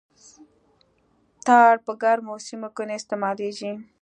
ټار په ګرمو سیمو کې نه استعمالیږي